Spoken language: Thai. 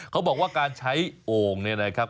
เขาบอกว่าการใช้โอ่งเนี่ยนะครับ